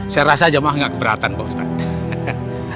saya rasa jamaah gak keberatan pak ustadz